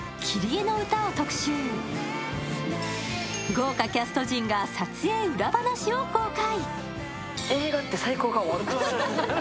豪華キャスト陣が撮影裏話を公開。